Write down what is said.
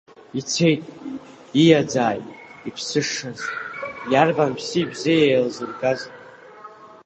Ицеит, ииаӡааит иԥсышаз, иарбан ԥси бзеи еилзыргаз?